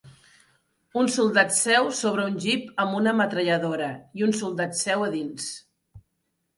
Un soldat seu sobre un Jeep amb una metralladora i un soldat seu a dins.